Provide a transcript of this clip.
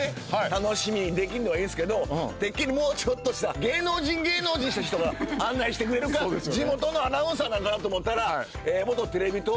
楽しみにできんのはいいんすけどてっきりもうちょっと芸能人芸能人した人が案内してくれるか地元のアナウンサーなんかなと思ったら。